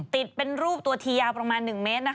ติดเป็นรูปตัวทียาวประมาณ๑เมตร